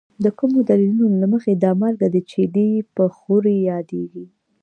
د کومو دلیلونو له مخې دا مالګه د چیلي په ښورې یادیږي؟